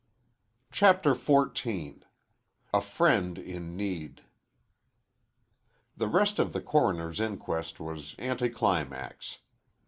CHAPTER XIV A FRIEND IN NEED The rest of the coroner's inquest was anticlimax.